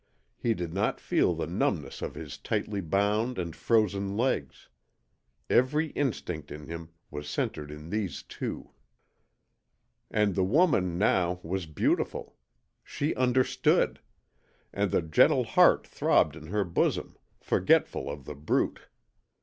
He did not feel the numbness of his tightly bound and frozen legs. Every instinct in him was centred in these two. And the woman, now, was beautiful. She UNDERSTOOD; and the gentle heart throbbed in her bosom, forgetful of The Brute.